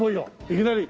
いきなり！